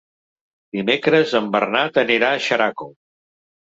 Dimecres en Bernat anirà a Xeraco.